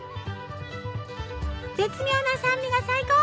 絶妙な酸味が最高！